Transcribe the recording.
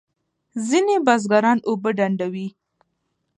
ځینې بزګران اوبه ډنډوي.